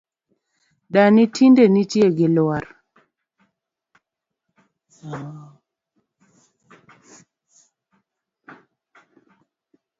Dani tinde nitie gi lwar